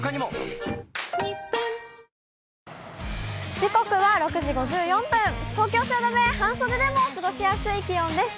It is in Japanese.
時刻は６時５４分、東京・汐留、半袖でも過ごしやすい気温です。